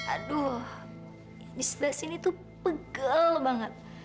aduh di sebelah sini tuh pegel banget